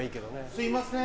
すいません。